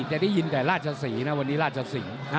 จะได้ยินแต่ราชศรีนะวันนี้ราชสิงศ์